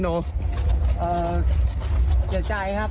ขออนุญาตครับ